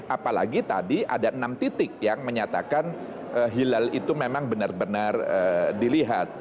apalagi tadi ada enam titik yang menyatakan hilal itu memang benar benar dilihat